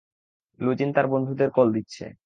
লু জিন তার বন্ধুদের কল দিচ্ছে।